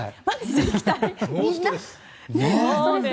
ノーストレス。